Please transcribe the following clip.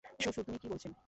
শ্বশুর, তুমি কি বলছেন?